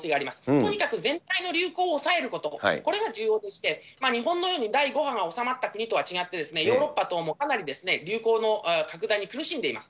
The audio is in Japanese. とにかく全体の流行を抑えること、これが重要でして、日本のように第５波が収まった国とは違って、ヨーロッパ等もかなり流行の拡大に苦しんでいます。